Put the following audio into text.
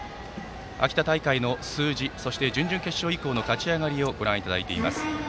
秋田大会の数字そして準々決勝以降の勝ち上がりご覧いただいています。